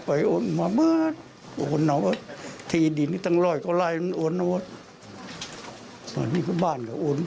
ล้านสาวของคุณตายคุณยายนะฮะก็คือคุณแพรวนะครับ